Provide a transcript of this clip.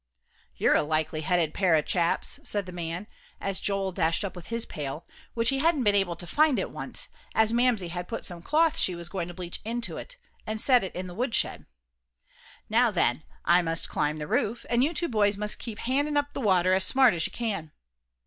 "You're a likely headed pair o' chaps," said the man, as Joel dashed up with his pail, which he hadn't been able to find at once, as Mamsie had put some cloth she was going to bleach into it, and set it in the woodshed. "Now, then, I must climb the roof, an' you two boys must keep a handin' up th' water as smart as you can."